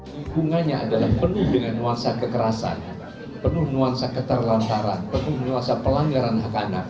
hubungannya adalah penuh dengan nuansa kekerasan penuh nuansa keterlantaran penuh nuansa pelanggaran hak anak